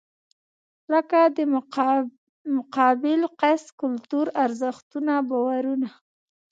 لکه د مقابل کس کلتور، ارزښتونه، باورونه .